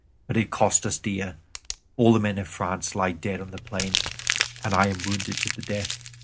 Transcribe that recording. But it cost us dear; all the men of France lie dead on the plain, and I am wounded to the death.